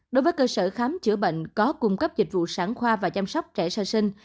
đối với cơ sở khám chữa bệnh có cung cấp dịch vụ sản khoa và chăm sóc trẻ sơ sinh